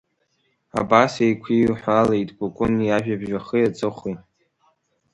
Абас еиқәиҳәалеит Кәыкәын иажәабжь ахи аҵыхәеи.